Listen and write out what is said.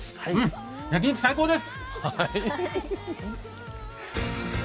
焼き肉、最高です！